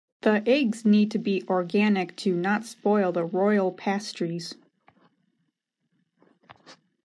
The eggs need to be organic to not spoil the royal pastries.